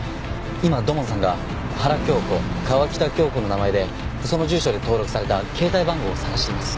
今土門さんが「原京子」「川喜多京子」の名前でその住所で登録された携帯番号を探しています。